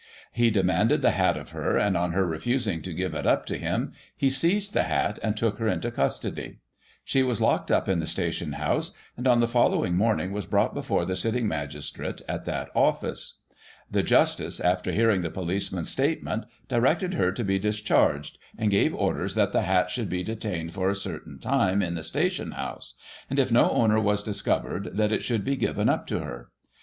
He de manded the hat of her, and, on her refusing to give it up to him, he seized the hat, and took her into custody. She was locked up in the station house, and, on the following morning, was brought before the sitting magistrate at that office. The justice, after hearing the policeman's statement, directed her to be discharged, and gave orders that the hat should be detained for a certain time, in the station house ; and, if no owner was discovered, that it should be given up to her.